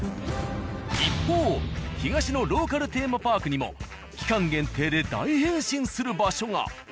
一方東のローカルテーマパークにも期間限定で大変身する場所が。